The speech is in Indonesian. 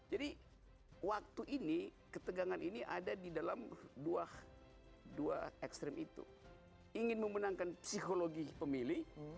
jadi waktu ini ketegangan ini ada di dalam dua dua ekstrim itu ingin memenangkan psikologi pemilih